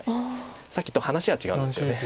さっきと話が違うんですよね。